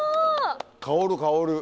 香る香る。